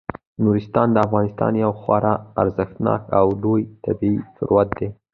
نورستان د افغانستان یو خورا ارزښتناک او لوی طبعي ثروت دی.